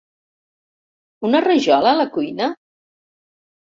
Una rajola a la cuina?